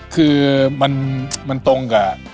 คือมันตรงกับ